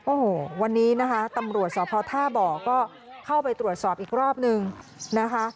โอ้โหวันนี้นะคะตำรวจสพท่าบ่อก็เข้าไปตรวจสอบอีกรอบนึงนะคะ